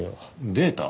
データ？